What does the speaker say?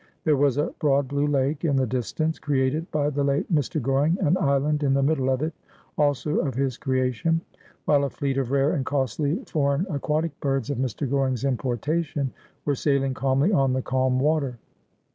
There was a broad blue lake in the distance, created by the late Mr. Goring, an island in the middle of it, also of his crea tion ; while a fleet of rare and costly foreign aquatic birds of Mr. Goring's importation were sailing calmly on the calm water.